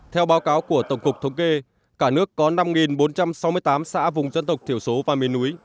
theo báo cáo của tổng cục thống kê cả nước có năm bốn trăm sáu mươi tám xã vùng dân tộc thiểu số và miền núi